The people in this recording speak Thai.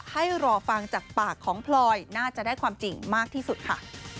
ให้รอฟังจากปากของพลอยน่าจะได้ความจริงมากที่สุดค่ะ